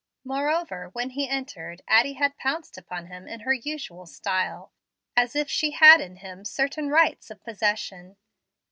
Moreover, when he entered, Addie had pounced upon him in her usual style, as if she had in him certain rights of possession.